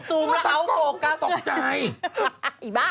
ซูมแล้วเอาโฟกัส